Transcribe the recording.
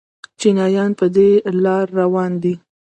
چینایان په دې لار روان دي.